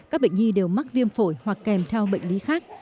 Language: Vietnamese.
các bệnh nhi đều mắc viêm phổi hoặc kèm theo bệnh lý khác